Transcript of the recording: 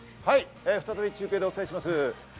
はい、再び中継でお伝えします。